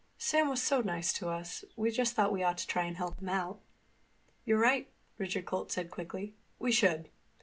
"Sam was so nice to us we just thought we ought to try to help him out." "You're right," Richard Holt said quickly. "We should.